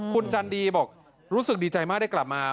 คุณจันดีบอกรู้สึกดีใจมากได้กลับมา